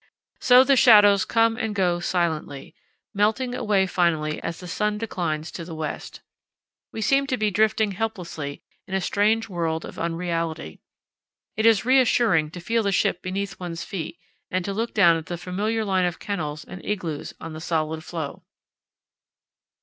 So the shadows come and go silently, melting away finally as the sun declines to the west. We seem to be drifting helplessly in a strange world of unreality. It is reassuring to feel the ship beneath one's feet and to look down at the familiar line of kennels and igloos on the solid floe."